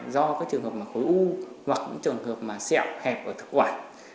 do các trường hợp khối u hoặc trường hợp sẹo hẹp của thực quả